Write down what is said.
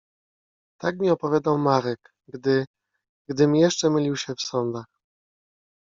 Tak mi opowiadał Marek, gdy… gdym jeszcze mylił się w sądach.